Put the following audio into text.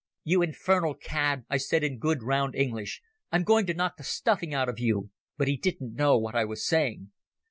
"You infernal cad," I said in good round English, "I'm going to knock the stuffing out of you," but he didn't know what I was saying.